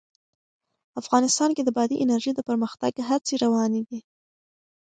افغانستان کې د بادي انرژي د پرمختګ هڅې روانې دي.